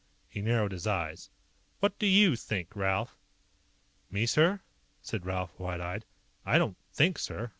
He narrowed his eyes. "What do you think, Ralph?" "Me, sir?" said Ralph, wide eyed. "I don't think, sir.